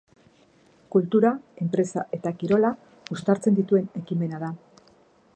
Kultura, enpresa eta kirola uztartzen dituen ekimena da.